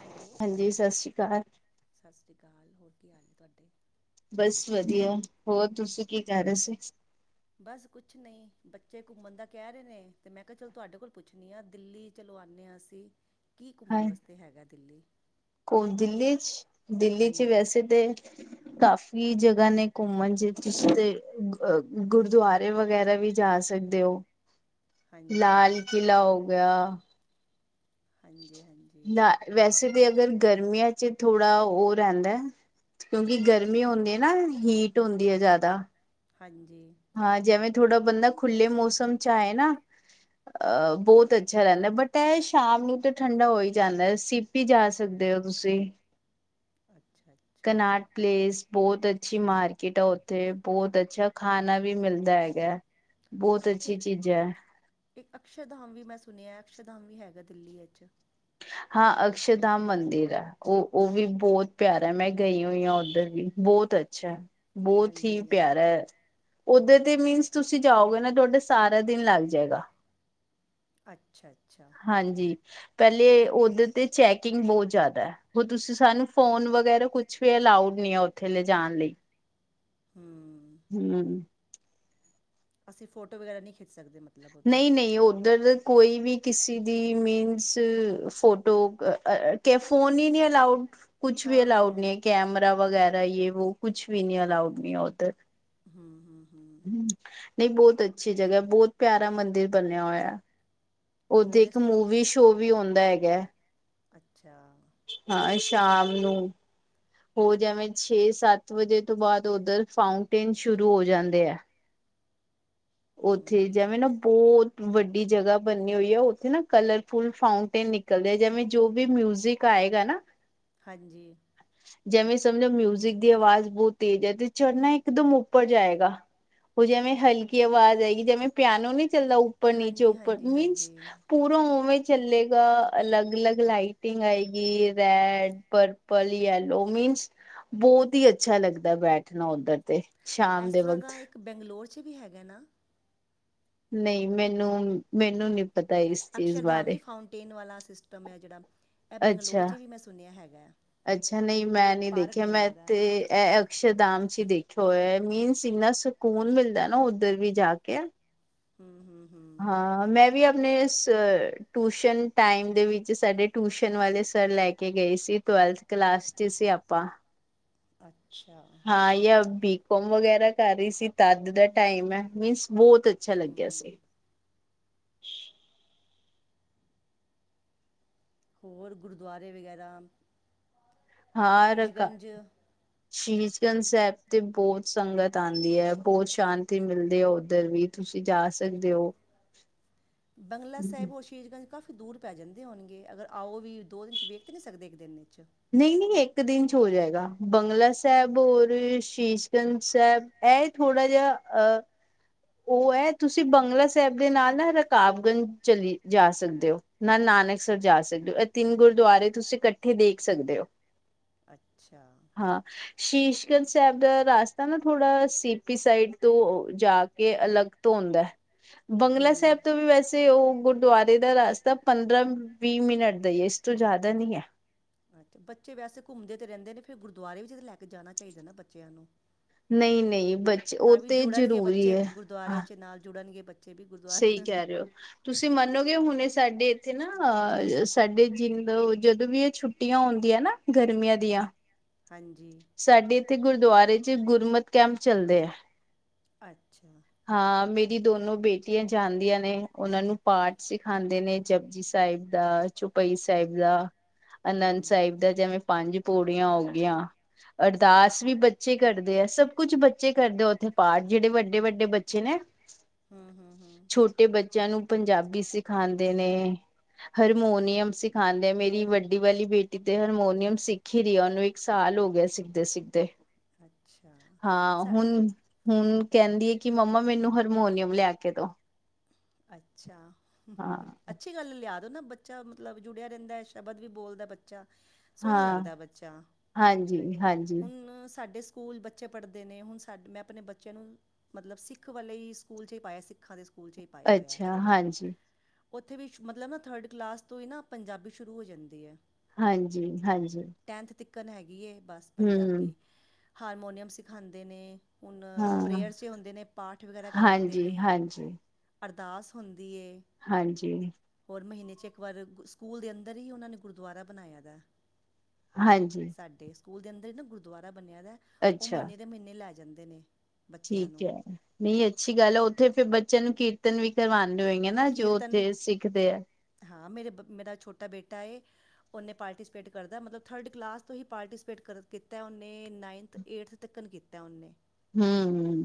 Hello. ਹਾਂਜੀ, ਸਸਸ਼੍ਰੀ ਕਾਲ। ਸੱਸਰੀ ਕਾਲ, ਹੋਰ ਕੀ ਹਾਲ ਨੇ ਤੁਹਾਡੇ? ਬੱਸ ਵਧੀਆ, ਹੋਰ ਤੁਸੀਂ ਕੀ ਕਹਿ ਰਹੇ ਸੀ? ਬੱਸ, ਕੁਛ ਨਹੀਂ ਬੱਚੇ ਘੁੰਮਣ ਦਾ ਕਹਿ ਰਹੇ ਨੇ ਤੇ ਮੈਂ ਕਿਹਾ ਚਲ ਤੁਹਾਡੇ ਕੋਲ ਪੁੱਛਣੀ ਆ ਦਿੱਲੀ ਚਲੋ ਆਣੇ ਆ, ਅਸੀਂ ਕੀ ਘੁੰਮਣ ਵਾਸਤੇ ਹੈਗਾ ਦਿੱਲੀ? ਕੋਣ ਦਿੱਲੀ 'ਚ' ਦਿੱਲੀ 'ਚ' ਵੈਸੇ 'ਤੇ ' [inaudible] ਕਾਫ਼ੀ ਜਗ੍ਹਾ ਨੇ ਘੁੰਮਣ ਜੇ ਤੁਸੀਂ 'ਤੇ ਗੁਰਦੁਆਰੇ ਵਗੈਰਾ ਵੀ ਜਾ ਸਕਦੇ ਓ। ' [inaudible] ਲਾਲ ਕਿਲ੍ਹਾ ਹੋ ਗਿਆ। ਹਾਂਜੀ-ਹਾਂਜੀ। ਨਾ ਵੈਸੇ ਤਾਂ ਅਗਰ ਗਰਮੀਆਂ 'ਚ' ਥੋੜ੍ਹਾ ਉਹ ਰਹਿੰਦਾ ਕਿਉਂਕਿ ਗਰਮੀ ਹੁੰਦੀ ਐ, ਨਾ ਹੁੰਦੀ ਐ ਜ਼ਿਆਦਾ। ਹਾਂਜੀ। ਹਾਂ, ਜਿਵੇਂ ਥੋੜਾ ਬੰਦਾ ਖੁੱਲ੍ਹੇ ਮੌਸਮ 'ਚ' ਆਏ ਨਾ ਅਹ, ਬਹੁਤ ਅੱਛਾ ਰਹਿੰਦਾ, ਬਟ ਇਹ ਸ਼ਾਮ ਨੂੰ ਤਾਂ ਠੰਡਾ ਹੋ ਹੀ ਜਾਂਦਾ ਸੀਪੀ ਜਾ ਸਕਦੇ ਹੋ ਤੁਸੀਂ, ' [inaudible] ਅੱਛਾ ' ਅੱਛਾ 'ਕਨਾਟ ਪਲੇਸ'। ਬਹੁਤ ਅੱਛੀ ਮਾਰਕੀਟ ਆ ਉੱਥੇ ਬਹੁਤ ਅੱਛਾ ਖਾਣਾ ਵੀ ਮਿਲਦਾ ਹੈਗਾ, ਬਹੁਤ ਅੱਛੀ ਉੱਥੇ ਚੀਜ਼ਾਂ। ਇੱਕ ਅਕਸ਼ਰਧਾਮ ਵੀ ਮੈਂ ਸੁਣਿਆ ਅਕਸ਼ਰਧਾਮ ਵੀ ਹੈਗਾ ਦਿੱਲੀ ਵਿੱਚ ਹਾਂ, ਅਕਸ਼ਰਧਾਮ ਮੰਦਿਰ ਆ। ਉਹ, ਉਹ ਵੀ ਬਹੁਤ ਪਿਆਰਾ ਹੈ, ਮੈਂ ਗਈ ਹੋਈ ਹਾਂ ਉੱਧਰ ਵੀ ਬਹੁਤ ਅੱਛਾ ਬਹੁਤ ਹੀ ਹਾਂਜੀ ਪਿਆਰਾ, ਓਧਰ ਤੇ ਮੀਨਸ ਤੁਸੀਂ ਜਾਓਗੇ ਨਾ ਤੁਹਾਡੇ ਸਾਰਾ ਦਿਨ ਲੱਗ ਜਾਏਗਾ। ਅੱਛਾ-ਅੱਛਾ। ਹਾਂਜੀ, ਪਹਿਲੇ ਉਹਦੇ 'ਤੇ ਚੈਕਿੰਗ ਬਹੁਤ ਜ਼ਿਆਦਾ। ਹੋ ਤੁਸੀਂ ਸਾਨੂੰ ਫੋਨ ਵਗੈਰਾ ਕੁਛ ਵੀ ਅਲਾਊਡ ਨੀ ਆ ਉੱਥੇ ਲਿਜਾਣ ਲਈ ਹਮ। ਹਮ। ਅਸੀਂ ਫੋਟੋ ਵਗੈਰਾ ਨਹੀਂ ਖਿੱਚ ਸਕਦੇ ਮਤ ਨਹੀਂ-ਨਹੀਂ ਉੱਧਰ ਕੋਈ ਵੀ ਕਿਸੇ ਦੀ ਮੀਨਸ ਫੋਟੋ ਆਹ ਅ ਕੇ ਫੋਨ ਹੀ ਨਹੀਂ ਅਲਾਊਡ ਕੁਛ ਵੀ ਹਾਂ ਹਾਂ ਅਲਾਊਡ ਨਹੀਂ ਐ, ਕੈਮਰਾ ਵਗੈਰਾ ਯ ਵੋ ਕੁਛ ਵੀ ਨੀ ਅਲਾਊਡ ਨਹੀਂ ਆ ਉੱਧਰ ਹਮ-ਹਮ। ਹਮ, ਨਹੀਂ ਬਹੁਤ ਅੱਛੀ ਜਗ੍ਹਾ ਬਹੁਤ ਪਿਆਰਾ ਮੰਦਿਰ ਬਣਿਆ ਹੋਇਆ। ਉੱਥੇ ਹੋਰ ਇੱਕ ਇਸ ਮੂਵੀ ਸ਼ੋ ਵੀ ਹੁੰਦਾ ਹੈਗਾ। ਅੱਛਾ ਹਾਂ ਇਹ ਸ਼ਾਮ ਨੂੰ। ਹੋ ਜਵੇਂ ਛੇ-ਸੱਤ ਵਜੇ ਤੋਂ ਬਾਅਦ, ਉੱਧਰ ਫਾਊਂਟੇਨ ਸ਼ੁਰੂ ਹੋ ਜਾਂਦੇ ਆ। ਉੱਥੇ ਹੂੰ ਜਿਵੇਂ ਨਾ ਬਹੁਤ। ਵੱਡੀ ਜਗ੍ਹਾ ਬਣੀ ਹੋਈ, ਉੱਥੇ ਨਾ ਕਲਰਫੁਲ ਫਾਂਊਟੇਨ ਨਿਕਲਦੇ, ਜਿਵੇਂ ਜੋ ਵੀ ਮਿਊਜ਼ਿਕ ਗਾਏਗਾ ਨਾ। ਹਾਂਜੀ। ਜਿਵੇਂ ਸਮਝੋ ਮਿਊਜਿਕ ਦੀ ਆਵਾਜ਼ ਬਹੁਤ ਤੇਜ਼ ਆ, ਤੇ ਚੜ੍ਹਨਾ ਇੱਕ ਦਮ ਉੱਪਰ ਜਾਏਗਾ। ਉਹ ਜਿਵੇਂ ਹਲਕੀ ਆਵਾਜ਼ ਆਏਗੀ, ਜਿਵੇਂ ਪਿਆਨੋ ਨਹੀਂ ਚੱਲਦਾ ਉੱਪਰ-ਨੀਚੇ ਹਾਂਜੀ ਉਪਰ, ਹਾਂਜੀ ਨਹੀਂ ਹਾਂਜੀ ਪੂਰਾ ਉਵੇਂ ਚੱਲੇਗਾ। ਅਲੱਗ-ਅਲੱਗ ਲਾਈਟਿੰਗ ਆਏਗੀ, ਰੈਡ, ਪਰਪ- ਲ, ਯੈਲੋ ਮੀਨਸ, ਬਹੁਤ ਹੀ ਅੱਛਾ ਲੱਗਦਾ, ਬੈਠਣਾ ਉੱਧਰ। ਤੇ ਸ਼ਾਮ ਇਸ ਦੇ ਤਰ੍ਹਾਂ ਦਾ ਵਕਤ। ਇੱਕ ਬੰਗਲੌਰ 'ਚ ਵੀ ਹੈਗਾ ਨਾ। ਨਹੀਂ ਮੈਨੂੰ, ਮੈਨੂੰ ਨੀ ਪਤਾ ਇਸ ਚੀਜ਼ ਅਕਸ਼ਰਧਾਮ ਬਾਰੇ ਨਹੀਂ, ਫਾਊਂਟੇਨ ਵਾਲਾ ਸਿਸਟਮ ਹੈ, ਜਿਹੜਾ। ਇਹ ਬੈਂਗਲੌਰ ਅੱਛਾ, 'ਚ ਵੀ ਮੈਂ ਸੁਣਿਆ ਹੈਗਾ ਅੱਛਾ ਨਹੀਂ ਮੈਂ ਨੀ ਪਾਰਕ ਦੇਖਿਆ, ਮੈਂ ਬਣਿਆ ਦਾ ਤੇ ਇਹ ਅਕਸ਼ਰਧਮ ਚ ਦੇਖਿਆ ਹੋਇਆ, ਮੀਨਸ ਇੰਨਾ ਸਕੂਨ ਮਿਲਦਾ ਨਾ ਉੱਧਰ ਵੀ ਜਾ ਕੇ। ਹੂੰ- ਹੂੰ- ਹੂੰ। ਹਾਂ ਮੈਂ ਵੀ ਆਪਣੇ ਟਊਸ਼ਨ ਟਾਈਮ ਦੇ ਵਿੱਚ, ਸਾਡੇ ਟਿਊਸ਼ਨ ਵਾਲੇ ਸਰ ਲੈ ਕੇ ਗਏ ਸੀ, ਟਵੈਲਥ ਕਲਾਸ 'ਚ ਸੀ ਆਪਾਂ। ਅੱਛਾ ਹਾਂ ਯ ਬੀਕੋਮ ਵਗੈਰਾ ਕਰ ਸੀ। ਤਦ ਦਾ ਟਾਈਮ ਏ, ਮੀਨਸ ਬਹੁਤ ਅੱਛਾ ਲੱਗਿਆ ਹੂੰ ਸੀ। ਹੋਰ ਗੁਰਦੁਆਰੇ ਵਗੈਰਾ, ਸ਼ੀਸ਼ਗੰਜ। ਸ਼ਹੀਸ਼ਗੰਜ ਸਾਹਿਬ ਤੇ ਬਹੁ ਸੰਗਤ ਆਂਦੀ ਏ, ਬਹੁਤ ਸ਼ਾਂਤੀ ਮਿਲਦੀ ਏ, ਉੱਧਰ ਵੀ ਤੁਸੀਂ ਜਾ ਸਕਦੇ ਹੋ। ਬੰਗਲਾ ਸਾਹਿਬ ਹੋਸ਼ ਸੀਸਗੰਜ 'ਚ ਕਾਫੀ ਦੂਰ ਪੈ ਜਾਂਦੇ ਹੋਣਗੇ, ਅਗਰ ਆਓ ਵੀ, ਦੋ ਦਿਨ 'ਚ ਵੇਖ ਤਾਂ ਨਹੀਂ ਸਕਦੇ, ਇੱਕ ਦਿਨ 'ਚ। ਨਹੀਂ- ਨਹੀਂ ਇੱਕ ਦਿਨ 'ਚ ਹੋ ਜਾਏਗਾ, ਬੰਗਲਾ ਸਾਹਿਬ ਔਰ ਸ਼ੀਸ਼ਗੰਜ ਸਾਹਿਬ। ਇਹ ਥੋੜਾ ਜਿਹਾ, ਅਹ ਉਹ ਏ, ਤੁਸੀਂ ਬੰਗਲਾ ਸਾਹਿਬ ਦੇ ਨਾਲ ਨਾ, ਰਕਾਬਗੰਜ ਚਲੀ ਜਾ ਸਕਦੇ ਹੋ। ਨਾਲ ਨਾਨਕਸਰ ਜਾ ਸਕਦੇ ਹੋ, ਇਹ ਤਿੰਨ ਗੁਰਦੁਆਰੇ ਤੁਸੀਂ ਇਕੱਠੇ ਦੇਖ ਸਕਦੇ ਹੋ। ਅੱਛਾ। ਹਾਂ, ਸ਼ੀਸ਼ਗੰਜ ਸਾਹਿਬ ਦਾ ਰਸਤਾ ਨਾ ਥੋੜਾ, ਸੀਪੀ ਸਾਈਡ ਤੋਂ ਜਾ ਕੇ ਅਲੱਗ ਤੋਂ ਹੁੰਦਾ, ਬੰਗਲਾ ਸਾਹਿਬ ਤੋਂ ਵੀ ਵੈਸੇ ਉਹ ਗੁਰਦੁਆਰੇ ਦਾ ਰਸ ਤਾਂ ਪੰਦਰਾਂ-ਵੀਹ ਮਿੰਟ ਦਾ ਹੀ ਹੈ, ਇਸ ਤੋਂ ਜ਼ਿਆਦਾ ਨਹੀਂ ਹੈ। ਅੱਛਾ, ਬੱਚੇ ਵੈਸੇ ਘੁੰਮਦੇ ਤੇ ਰਹਿੰਦੇ ਨੇ, ਫਿਰ ਗੁਰਦੁਆਰੇ ਵਿੱਚ ਲੈ ਕੇ ਜਾਣਾ ਚਾਹੀਦਾ ਨਾ ਬੱਚਿਆਂ ਨੂੰ। ਨਹੀਂ ਨਹੀਂ ਬੱਚੇ ਉਹ ਤਾਂ ਵੀ ਤੇ ਜੁੜਨਗੇ ਜ਼ਰੂਰੀ ਬੱਚੇ, ਹੈ ਹਾਂ ਗੁਰਦੁਆਰਿਆਂ ਚ ਨਾਲ ਜੁੜਨਗੇ, ਬ ਚੇ ਸਹੀ ਗੁਰਦੁਆਰੇ। ਕਹਿ ਰਹੇ ਹੋ। ਤੁਸੀਂ ਮੰਨੋਗੇ ਹੁਣੇ ਸਾਡੇ ਇੱਥੇ ਨਾ, ਅਹ ਸਾਡੇ ਜਦੋਂ ਵੀ ਇਹ ਛੁੱਟੀਆਂ ਹੁੰਦੀਆਂ ਨਾ। ਗਰਮੀਆਂ ਦੀਆਂ, ਹਾਂਜੀ ਸਾਡੇ ਇੱਥੇ ਗੁਰਦੁਆਰੇ 'ਚ ਗੁਰਮਤ ਕੈਂਪ ਚੱਲਦੇ ਏ। ਅੱਛਾ। ਹਾਂ, ਮੇਰੀ ਦੋਨੋ ਬੇਟੀਆਂ ਜਾਂਦੀਆਂ ਨੇ, ਉਹਨਾਂ ਨੂੰ ਪਾਠ ਸਿਖਾਦੇ ਨੇ। ਜਪੁਜੀ ਸਾਹਿਬ ਦਾ, ਚੁਪਈ ਸਾਹਿਬ ਦਾ। ਹੂੰ ਅਨੰਦ ਸਾਹਿਬ ਦਾ। ਜਿਵੇਂ ਪੰਜ ਪੋੜੀਆਂ ਹੋ ਗਈਆਂ। ਅਰਦਾਸ ਵੀ ਬੱਚੇ ਕਰਦੇ ਆ। ਸਭ ਕੁਛ ਬੱਚੇ ਕਰਦੇ ਆ ਉੱਥੇ ਪਾਠ ਜਿਹੜੇ ਵੱਡੇ-ਵੱਡੇ ਬੱਚੇ ਨੇ, ਹੂੰ ਹੂੰ ਹੂੰ ਛੋ- ਟੇ ਬੱਚਿਆਂ ਨੂੰ ਪੰਜਾਬੀ ਸਿਖਾਦੇ ਨੇ। ਹਰਮੋਨੀਅਮ ਸਿਖਾਦੇ ਮੇਰੀ ਵੱਡੀ ਵਾਲੀ ਬੇਟੀ ਤੇ ਹਰਮੋਨੀਅਮ ਸਿੱਖ ਰਹੀ ਆ। ਉਹਨੂੰ ਇੱਕ ਸਾਲ ਹੋ ਗਿਆ ਸਿੱਖਦੇ-ਸਿੱਖਦੇ। ਅੱਛਾ, ਸਾ- ਹੁਣ ਕਹਿੰਦੀ ਐ ਕਿ ਮੰਮਾ ਮੈਨੂੰ ਹਰਮੋਨੀਅਮ ਲੈ ਕੇ ਦੋ। ਅੱਛਾ, ਹਮਹ, ਹਾਂ ਅ- ਅੱਛੀ ਗੱਲ ਲਿਆ ਦੋ ਨਾ ਬੱਚਾ ਮਤਲਬ ਜੁੜਿਆ ਰਹਿੰਦਾ, ਸ਼ਬਦ ਵੀ ਬੋਲਦਾ ਬੱਚਾ। ਸੋਹਣਾ ਹਾਂ ਲੱਗਦਾ ਬੱਚਾ। ਹਾਂਜੀ ਹਾਂਜੀ ਹੁਣ ਸਾਡੇ ਪੂਲ ਬੱਚੇ ਪੜ੍ਹਦੇ ਨੇ। ਹੁਣ ਸਾਡੇ ਮੈਂ ਆਪਣੇ ਬੱਚਿਆਂ ਨੂੰ ਮਤਲਬ ਸਿੱਖ ਵਾਲੇ ਸਕੂਲ 'ਚ ਹੀ ਪਾਇਆ ਸਿੱਖਾਂ ਦੇ ਸਕੂਲ 'ਚ ਈ ਪਾਇਆ ਹੋਇਆ। ਅੱਛਾ ਹਾਂਜੀ ਉੱਥੇ ਵੀ ਸ਼ ਮਤਲਬ ਨਾ ਥਰਡ ਕਲਾਸ ਤੋਂ ਈ ਨਾ ਪੰਜਾਬੀ ਸ਼ੁਰੂ ਹੋ ਜਾਂਦੀ ਐ। ਹਾਂਜੀ-ਹਾਂਜੀ। ਟੈਂਥ ਤੀਕਰ ਹੈਗੀ ਐ ਬਸ ਪੰਜਾਬੀ। ਹਾਰਮੋਨੀਅਮ ਸਿਖਾਦੇ ਨੇ। ਹੁਣ ਹਾਂ ਪ੍ਰੇਅਰ 'ਚ ਹੁੰਦੇ ਨੇ, ਪਾਠ ਵਗੈਰਾ ਕਰਾਦੇ ਹਾਂਜੀ ਨੇ। ਹਾਂਜੀ। ਅਰਦਾਸ ਹੁੰਦੀ ਏ। ਹਾਂਜੀ। ਹੋਰ ਮਹੀਨੇ 'ਚ ਇੱਕ ਵਾਰ ਸਕੂਲ ਦੇ ਅੰਦਰ ਹੀ ਉਹਨਾਂ ਨੇ ਗੁਰਦੁਆਰਾ ਬਣਾਇਆ ਗਾ। ਹਾਂਜੀ ਸਾਡੇ ਸਕੂਲ ਦੇ ਅੰਦਰ ਨਾ ਗੁਰਦੁਆਰਾ ਬਣਿਆ ਦਾ ਉਹ ਅੱਛਾ ਮਹੀਨੇ ਦੇ ਮਹੀਨੇ ਲੈ ਜਾਂਦੇ ਨੇ। ਬੱਚਿਆਂ ਠੀਕ ਨੂੰ ਏ। ਨਹੀਂ ਅੱਛੀ ਗੱਲ ਏ, ਉੱਥੇ ਫਿਰ ਬੱਚਿਆਂ ਨੂੰ ਕੀ ਤਨ ਵੀ ਕਰਵਾਉਂਦੇ ਹੋਏ ਨਾ, ਜੋ ਕੀਰਤਨ ਉੱਥੇ ਸਿੱਖਦੇ ਆ। ਹਾਂ ਮੇਰੇ ਬ ਮੇਰਾ ਛੋਟਾ ਬੇਟਾ ਏ। ਉਹਨੇ ਪਾਰਟੀਸਪੇਟ ਕਰਦਾ ਮਤਲਬ ਥਰਡ ਕਲਾਸ ਤੋਂ ਹੀ ਪਾਰਟੀਸਪੇਟ ਕਰ ਕੀਤਾ ਉਹਨੇ ਨਾਈਨਥ ਏਟਥ ਤੱਕ ਕੀਤਾ। ਤਾ ਉਹਨੇ। ਹਮਮਮ।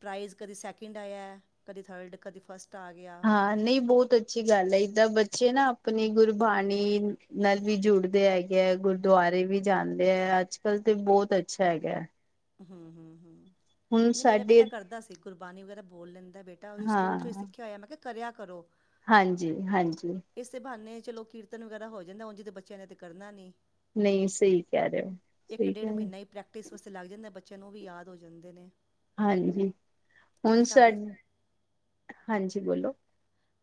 ਪ੍ਰਾਈਜ਼ ਕਦੇ ਸੈਕਿੰਡ ਆਇਆ, ਕਦੇ ਥਰਡ, ਕਦੇ ਫਸਟ ਆ ਗਿਆ। ਹ ਨਹੀਂ ਬਹੁਤ ਅੱਛੀ ਗੱਲ ਐ। ਏਦਾਂ ਬੱਚੇ ਨਾ ਆਪਣੀ ਗੁਰਬਾਣੀ ਨਾਲ ਵੀ ਜੁੜਦੇ ਹੈਗੇ। ਹੈਗੇ, ਗੁਰਦੁਆਰੇ ਵੀ ਜਾਂਦੇ ਐ, ਅੱਜ-ਕੱਲ੍ਹ ਤੇ ਬਹੁਤ ਅੱਛਾ ਹੈਗਾ ਐ। ਹਮ ਹਮ ਹਮ ਨਹੀਂ ਮੇਰਾ ਸਾਡੇ ਬੇਟਾ ਕਰਦਾ ਸੀ। ਕੁਰਬਾਨਣੀ ਵਗੈਰਾ ਬੋਲ ਲੈਂਦਾ ਬੇ- ਹੋ ਈ ਸਿੱਖਿਆ ਹੋਇਆ, ਮੈਂ ਕਿਹਾ ਕਰਿਆ ਕਰੋ। ਹਾਂਜੀ-ਹਾਂਜੀ। ਇਸੇ ਬਹਾਨੇ ਚਲੋ ਕੀਰਤਨ ਵਗੈਰਾ ਹੋ ਜਾਂਦਾ। ਉਜ ਤੇ ਜੇ ਬੱਚਿਆਂ ਨੇ ਤਾਂ ਕਰਨਾ ਨਹੀਂ। ਨਹੀਂ ਸਹੀ ਕਹਿ ਰਹੇ ਓ, ਸਹੀ ਕਹਿ ਰਹੇ ਓ। ਟ ਇਸ ਵਾਸਤੇ ਲੱਗ ਜਾਂਦਾ ਬੱਚਿਆਂ ਨੂੰ ਉਹ ਵੀ ਯਾਦ ਹੋ ਜਾਂਦੇ ਨੇ। ਹਾਂਜੀ, ਹੁਣ ਸਾਡੇ ਸਾਡ, ਹਾਂਜੀ ਬੋਲੋ।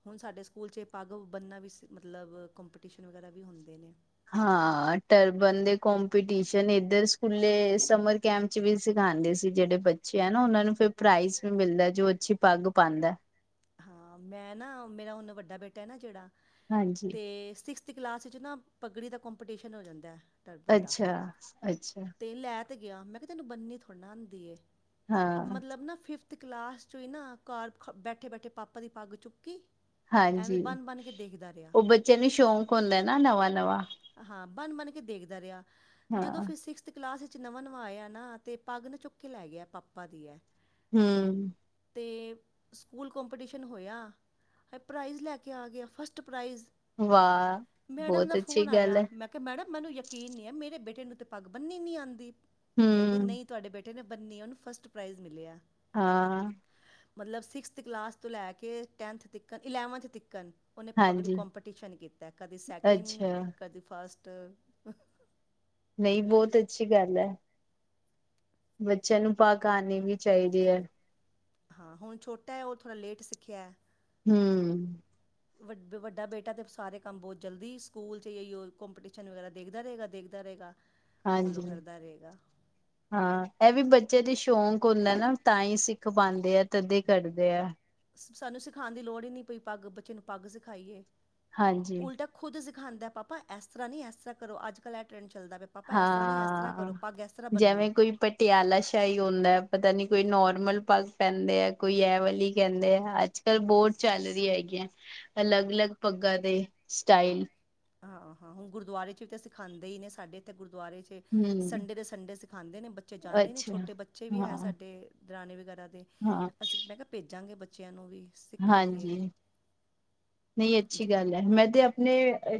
ਹੁਣ ਸਾਡੇ ਸਕੂਲ 'ਚ ਏ ਪੱਗ ਬਣਨਾ ਵੀ ਮਤਲਬ ਕੰਪੀਟੀਸ਼ਨ ਵਗੈਰਾ ਵੀ ਹੁੰਦੇ ਨੇ। ਹਾਂ ਟਰਬਨ ਦੇ ਕੰਪੀਟੀਸ਼ਨ ਇੱਧਰ ਸਕੂਲੇ ਸਮਰ- ਕੈਂਪ ਚ ਵੀ ਸਿਖਾਦੇ ਸੀ ਜਿਹੜੇ ਬੱਚੇ ਆ ਨਾ। ਉਹਨਾ ਨੂੰ ਫਿਰ ਪ੍ਰਾਈਜ਼ ਵੀ ਮਿਲਦਾ ਜੋ ਅੱਛੀ ਪੱਗ ਬੰਨਦਾ। ਹਾਂ ਮੈਂ ਨਾ ਮੇਰਾ ਹੁਣ ਵੱਡਾ ਬੇਟਾ ਆ ਨਾ ਜਿਹੜਾ ਹਾਂਜੀ। ਤੇ ਸਿਕਸਥ ਕਲਾਸ ਵਿੱਚ ਨਾ ਪੱਗੜੀ ਦਾ ਕੰਪੀਟੀਸ਼ਨ ਹੋ ਜਾਂਦਾ। ਟਰਬਨ ਦਾ ਅੱਛਾ ਅੱਛਾ ਤੇ ਲੈਤ ਤੇ ਗਿਆ, ਮੈਂ ਕਿਹਾ ਤੈਨੂੰ ਬੰਨੀ ਥੋੜ੍ਹਾ ਆਦੀ ਏ, ਹਾਂ ਮਤਲਬ ਨਾ ਫਿਫਥ ਤੇ ਕਲਾਸ ਚ ਹੀ ਨਾ ਘਰ ਬੈਠੇ-ਬੈਠੇ ਪਾਪਾ ਦੀ ਪੱਗ ਚੁੱਕੀ। ਐਵੇਂ ਹਾਂਜੀ, ਬੰਨ ਬੰਨ ਕੇ ਦੇਖਦਾ ਰਿਹਾ ਉਹ ਬੱਚਿਆਂ ਨੂੰ ਸ਼ੌਕ ਹੁੰਦਾ ਨਾ ਨਵਾਂ-ਨਵਾਂ। ਹਾਂ ਬਣ-ਬਣ ਕੇ ਦੇਖਦਾ ਰਿਹਾ ਜਦੋਂ ਹਾਂ ਫਿਰ ਸਿਕਸ ਕਲਾਸ ਵਿੱਚ ਨਵਾਂ-ਨਵਾਂ ਆਇਆ ਨਾ ਤੇ ਪੱਗ ਨਾ ਚੁੱਕ ਕੇ ਲੈ ਗਿਆ, ਪਾਪਾ ਦੀ ਐ। ਹਮ ਤੇ ਸਕੂਲ ਕੋਂਪੀਟੀਸ਼ਨ ਹੋਇਆ ਅ ਪ੍ਰਾਈਜ਼ ਲੈ ਕੇ ਆ ਗਿਆ। First prize. ਵਾਹ ਮੈਡਮ ਬਹੁਤ ਨਾਲ ਅੱਛੀ ਫੋਨ ਗੱਲ ਹੈ ਆਇਆ। ਮੈਂ ਮੈਡਮ ਮੈਨੂੰ ਯਕੀਨ ਨਹੀਂ ਐ। ਮੇਰੇ ਬੇਟੇ ਨੂੰ ਤੇ ਪੱਗ ਬੰਨਨੀ ਨਹੀਂ ਆਂਦੀ। ਕਹਿੰਦੀ ਹਮ ਨਹੀਂ ਤੁਹਾਡੇ ਬੇਟੇ ਨੇ ਬੰਨੀ ਆ। ਉਹਨੂੰ ਫਸਟ ਪ੍ਰਾਈਜ਼ ਮਿਲਿਆ। ਹਾਂ। ਮਤਲਬ ਸਿਕਸਥ ਕਲਾਸ ਤੋਂ ਲੈ ਕੇ ਟੈਂਨਥ ਤੱਕਣ ਇਲੈਵਨਥ ਤਿੱੱਕਣ। ਉਹਨੇ ਪਗੜੀ ਹਾਂਜੀ ਕੋਂਪੀਟੀਸ਼ਨ ਕੀਤਾ ਕਦੀ ਸੈਕਿੰਡ, ਅੱਛਾ ਕਦੀ ਫਸਟ। ਨਹੀਂ ਬਹੁਤ ਅੱਛੀ ਗੱਲ ਐ। ਬੱਚਿਆਂ ਨੂੰ ਪਾਕ ਆਨੀ ਵੀ ਚਾਹੀਦੀ ਐ। ਹਾਂ ਹੁਣ ਛੋਟਾ ਐ ਉਹ ਥੋੜ੍ਹਾ ਲੇਟ ਸਿੱਖਿਆ। ਹਮ ਵੱ ਵੱਡਾ ਬੇਟਾ ਤੇ ਸਾਰੇ ਕੰਮ ਬਹੁਤ ਜਲਦੀ ਸਕੂਲ ਚ ਏਈਓ ਕੋਂਪੀਟੀਸ਼ਨ ਵਗੈਰਾ ਦੇਖਦਾ ਰਹੇਗਾ। ਦੇਖਦਾ ਰਹੇਗਾ। ਫੋਲੋ ਹਾਂਜੀ। ਕਰਦਾ ਰਹੇਗਾ ਹਾਂ ਐਵੀ ਬੱਚੇ ਦੇ ਸ਼ੌਕ ਹੁੰਦਾ ਨਾ ਤਾਂ ਹੀ ਸਿੱਖ ਪਾਂਦੇ ਆ ਤੇ ਅੱਧੇ ਕਰਦੇ ਆ। ਸਾਨੂੰ ਸਿਖਾਣ ਦੀ ਲੋੜ ਦੀ ਨਹੀਂ ਪਈ ਪੱਗ। ਬੱਚੇ ਨੂੰ ਪੱਗ ਸਿਖਾਈਏ। ਹਾਂਜੀ ਉਲਟਾ ਖੁਦ ਸਿਖਾਂਦਾ ਪਾਪਾ। ਇਸ ਤਰ੍ਹਾਂ ਨਹੀਂ ਇਸ ਤਰ੍ਹਾਂ ਕਰੋ। ਅੱਜ-ਕੱਲ੍ਹ ਐ ਟਰੈਂਡ ਚੱਲਦਾ ਪਿਆ। ਪਾਪਾ ਇਸ ਤਰ੍ਹਾਂ ਨੀ ਇਸ ਤਰ੍ਹਾਂ ਕਰੋ। ਪੱਗ ਇਸ ਤਰ੍ਹਾਂ ਬੰਨੋ। ਪਿਆਲਾ ਸ਼ਾਹੀ ਹੁੰਦਾ ਐ ਪਤਾ ਨੀ ਕੋਈ ਨੋਰਮਲ ਪੱਗ ਪੈਂਦੇ ਆ। ਕੋਈ ਐ ਵਾਲੀ ਕਹਿੰਦੇ ਆ ਅੱਜ- ਬਹੁਤ ਚੱਲ ਰਹੀ ਐਗੀ ਆ‌। ਅਲੱਗ-ਅਲੱਗ ਪੱਗਾਂ ਦੇ ਸਟਾਈਲ। ਹਾਂ-ਹਾਂ ਹੁਣ ਗੁਰਦੁਆਰੇ ਚ ਵੀ ਤਾਂ ਸਿਖਾਂਦੇ ਹੀ ਨੇ ਸਾਡੇ ਇੱਥੇ ਗੁਰਦੁਆਰੇ ਚ। ਹਮ ਸੰਡੇ ਦੇ ਸੰਡੇ ਸਿਖਾਂਦੇ ਨੇ ਬੱਚੇ ਜਾਂਦੇ ਨੇ ਅੱਛਾ ਛੋਟੇ ਬੱਚੇ ਵੀ ਹੈ। ਹਾਂ ਸਾਡੇ ਦਰਾਣੀ ਵਗੈਰਾ ਦੇ। ਹਾਂ। ਮੈਂ ਕਿਹਾ ਭੇਜਾਂਗੇ ਬੱਚਿਆਂ ਨੂੰ ਵੀ ਸਿੱਖਣਗੇ। ਹਾਂਜੀ ਨਹੀਂ ਅੱਛੀ ਜ- ਗੱਲ ਐ। ਮੈਂ ਤੇ ਆਪਣੇ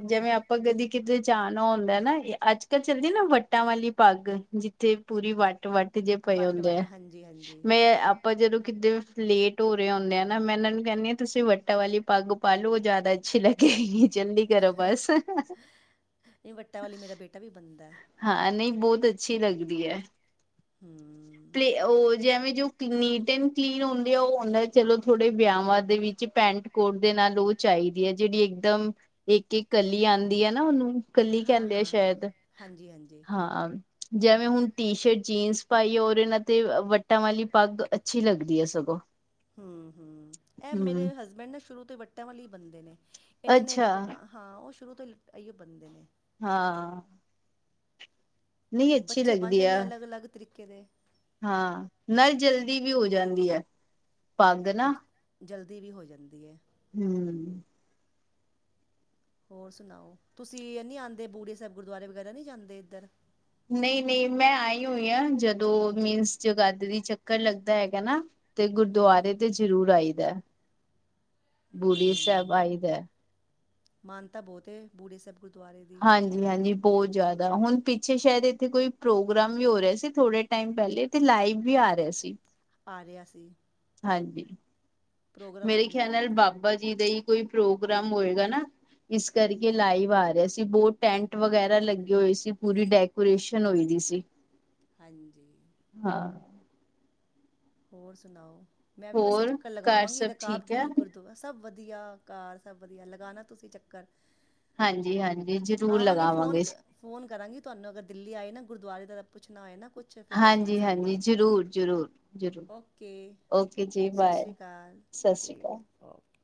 ਜਿਵੇਂ ਆਪਾਂ ਕਦੀ ਕਿਤੇ ਜਾਣਾ ਹੁੰਦਾ ਨਾ ਅੱਜ ਤੇ ਚੱਲਦੀ ਨਾ ਵੱਟਾਂ ਵਾਲੀ ਪੱਗ ਜਿੱਥੇ ਪੂਰੀ ਵੱਟ ਵੱਟ ਜੇ ਪਏ ਵੱਟ ਹੁੰਦੇ ਆ। ਵਾਲੀ ਹਾਂਜੀ ਹਾਂਜੀ ਮੈਂ ਆਪਾਂ ਜਦੋਂ ਕਿੱਤੇ ਲੇਟ ਹੋ ਰਹੇ ਹੁੰਨੇ ਆ ਨਾ। ਮੈਂ ਇਹਨਾਂ ਨੂੰ ਕਹਿੰਨੀ ਆ ਤੁਸੀਂ ਵੱਟਾਂ ਵਾਲੀ ਪੱਗ ਪਾਲੂ ਜ਼ਿਆਦਾ ਅੱਛੀ ਲੱਗੇਗੀ ਜਲਦੀ ਕਰੋ ਬਸ। ਤਾਂ ਵੀ ਬਣਦਾ ਐ। ਹਾਂ ਨਹੀਂ। ਬਹੁਤ ਅੱਛੀ ਲੱਗਦੀ ਐ। ਹਮ। ਪਲੇ ਉਹ ਜਿਵੇਂ ਜੋ ਨੀਟ ਐਂਡ ਕਲੀਨ ਹੁੰਦੇ ਆ। ਉਹ ਹੁੰਦਾ ਚਲੋ ਥੋੜੇ ਵਿਆਹਵਾਂ ਦੇ ਵਿੱਚ ਪੈਂਟ ਕੋਟ ਦੇ ਨਾਲ ਉਹ ਚਾਹੀਦੀ ਐ। ਜਿਹੜੀ ਇੱਕਦਮ ਇੱਕ-ਇੱਕ ਕਲੀ ਆਂਦੀ ਐ ਨਾ ਉਹਨੂੰ। ਕੱਲੀ ਹਾਂ ਕਹਿੰਦੇ ਆ ਹਾਂ ਹਾਂ ਸ਼ਾਇਦ ਹਾਂਜੀ ਹਾਂਜੀ ਹਾਂ। ਜਿਵੇਂ ਹੁਣ ਟੀ ਸ਼ਰਟ ਜੀਨਸ ਪਾਈ ਔਰ ਇਹਨਾਂ ਤੇ ਵੱਟ ਵੱਟਾਂ ਵਾਲੀ ਪੱਗ ਅੱਛੀ ਲੱਗਦੀ ਐ। ਸਗੋਂ ਹਮ-ਹਮ ਇਹ ਮੇਰੇ ਹਮ ਹਸਬੈਂਡ ਨਾ ਸ਼ੁਰੂ ਤੋਂ ਵੱਟਿਆਂ ਵਾਲੀ ਬੰਦੇ ਨੇ ਇਹਨਾਂ ਨੇ ਅੱਛਾ ਹਾਂ ਉਹ ਸ਼ੁਰੂ ਤੋਂ ਹੀ ਆਈਓ ਬਣਦੇ ਨੇ। ਹਾਂ। ਨਹੀਂ ਅੱਛੀ ਬੱਚੇ ਬਣ ਲੱਗਦੀ ਆ ਜਾਂਦੇ ਅਲੱਗ-ਅਲੱਗ ਤਰੀਕੇ ਦੇ ਹਾਂ ਨਾਲੇ ਜਲਦੀ ਵੀ ਹੋ ਜਾਂਦੀ ਐ। ਪੱਗ ਨਾ ਜਲਦੀ ਵੀ ਹੋ ਜਾਂਦੀ ਐ‌। ਹਮ। ਹੋਰ ਸੁਣਾਓ? ਤੁਸੀਂ ਨੀ ਆਂਦੇ ਬੂਡੀ ਸਾਹਿਬ ਗੁਰਦੁਆਰੇ ਵਗੈਰਾ ਨਹੀਂ ਜਾਂਦੇ ਇੱਧਰ। ਨਹੀਂ-ਨਹੀਂ ਮੈਂ ਆਈ ਹੋਈ ਹਾਂ। ਜਦੋਂ ਮੀਨਸ ਜਗਾਧਰੀ ਚੱਕਰ ਲੱਗਦਾ ਹੈਗਾ ਨਾ ਤੇ ਹੂੰ ਹੂੰ ਗੁਰਦੁਆਰੇ ਤੇ ਜ਼ਰੂਰ ਆਈ ਦਾ-ਬੂੜੀ ਸਾਹਿਬ ਹੂੰ ਆਈ ਦਾ। ਮਾਨਤਾ ਬਹੁਤ ਏ ਬੂੜੀ ਸਾਹਿਬ ਗੁਰਦੁਆਰੇ ਦੀ। ਹਾਂਜੀ-ਹਾਂਜੀ ਬਹੁਤ ਜ਼ਿਆਦਾ ਹੁਣ ਪਿੱਛੇ ਸ਼ਾਇਦ ਇੱਥੇ ਕੋਈ ਪ੍ਰੋਗਰਾਮ ਵੀ ਹੋ ਰਿਹਾ ਸੀ। ਥੋੜੇ ਟਾਇਮ ਪਹਿਲੇ ਤੇ ਲਾਈਵ ਵੀ ਆ ਰਿਹਾ ਸੀ। ਆ ਰਿਹਾ ਸੀ। ਹਾਂਜੀ, ਪ੍ਰੋਗਰਾਮ ਮੇਰੇ ਹੁੰਦਾ ਖਿਆਲ ਨਾਲ ਇੱਧਰ ਬਾਬ ਬਾਬਾ ਜੀ ਦਾ ਹੀ ਕੋਈ ਪ੍ਰੋਗਰਾਮ ਹੋਏਗਾ ਨਾ ਇਸ ਕਰਕੇ ਲਾਈਵ ਆ ਰਿਹਾ ਸੀ। ਬਹੁਤ ਟੈਂਟ ਹੂੰ ਵਗੈਰਾ ਹੂੰ ਲੱਗੀ ਹੋਈ ਹੂੰ ਸੀ ਪੂਰੀ ਡੈਕੋਰੇਸ਼ਨ ਹੋਈ ਦੀ ਸੀ। ਹਾਂਜੀ। ਹਾਂ। ਹੋਰ ਸੁਣਾਓ। ਮੈਂ ਵੀ ਬੱਸ ਹੋਰ ਚੱਕਰ ਘਰ ਲਗਾਵਾਗੀ ਸਭ ਰਕਾਬ ਠੀਕ ਹੈ ਗੁੰਜ ਕੋਲ [unintelligible] ਸਭ ਵਧੀਆ ਘਰ ਸਭ ਵਧੀਆ ਲਗਾਣਾ ਤੁਸੀਂ ਚੱਕਰ ਹਾਂਜੀ-ਹਾਂਜੀ ਜ਼ਰੂਰ ਆਵਾਂਗੇ ਫੋਨ ਲਗਾਵਾਂਗੇ। ਕ- ਫੋਨ ਕਰਾਂਗੀ ਤੁਹਾਨੂੰ ਅਗਰ ਦਿੱਲੀ ਆਏ ਨਾ ਗੁਰਦੁਆਰੇ ਦਾ ਪੁੱਛਣਾ ਹੋਏ ਨਾ ਕੁਛ ਫਿਰ ਦੱਸਣਾ ਹਾਂਜੀ-ਹਾਂਜੀ, ਸਾਨੂੰ ਜ਼ਰੂਰ-ਜ਼ਰੂਰ। ਓਕੇ, ਸਤਿ ਬਾਏ ਸ਼੍ਰੀ ਅਕਾਲ ਸਤਿ ਸ਼੍ਰੀ ਠੀਕ ਅਕਾਲ ਹੈ। ਓਕੇ